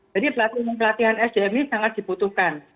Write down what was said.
jadi pelatihan pelatihan sdm ini sangat dibutuhkan